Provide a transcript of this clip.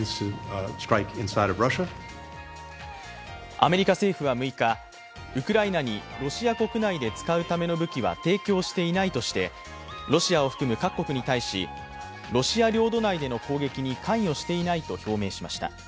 アメリカ政府は６日、ウクライナにロシア国内で使うための武器は提供していないとしてロシアを含む各国に対しロシア領土内での攻撃に関与していないと表明しました。